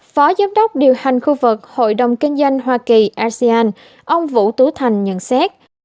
phó giám đốc điều hành khu vực hội đồng kinh doanh hoa kỳ asean ông vũ tú thành nhận xét